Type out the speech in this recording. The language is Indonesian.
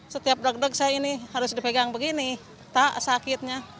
setiap deg deg saya ini harus dipegang begini tak sakitnya